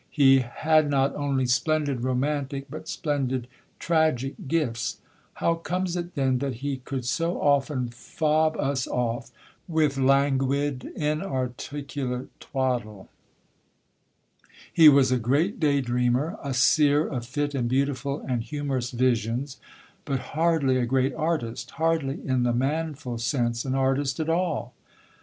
He "had not only splendid romantic, but splendid tragic, gifts. How comes it, then, that he could so often fob us off with languid, inarticulate twaddle?... He was a great day dreamer, a seer of fit and beautiful and humorous visions, but hardly a great artist; hardly, in the manful sense, an artist at all."